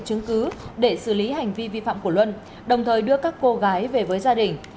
chứng cứ để xử lý hành vi vi phạm của luân đồng thời đưa các cô gái về với gia đình